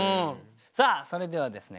それではですね